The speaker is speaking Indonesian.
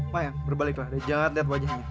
mayang berbaliklah dan jangan lihat wajahnya